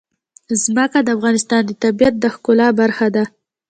ځمکه د افغانستان د طبیعت د ښکلا برخه ده.